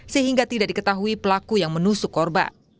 sehingga tidak diketahui pelaku yang menusuk korban